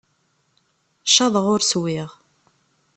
Caḍeɣ ur swiɣ.